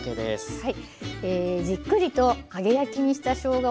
はい。